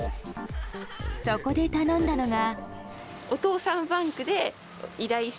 そこで頼んだのが。